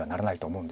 うん。